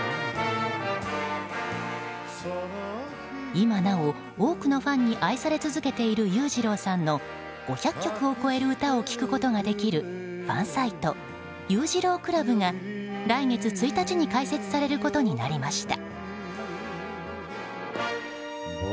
今なお多くのファンに愛され続けている裕次郎さんの５００曲を超える歌を聴くことができるファンサイト裕次郎倶楽部が来月１日に開設されることになりました。